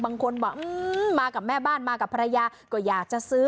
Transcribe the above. บางคนบอกมากับแม่บ้านมากับภรรยาก็อยากจะซื้อ